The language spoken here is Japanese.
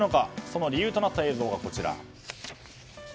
その理由となった映像がこちら。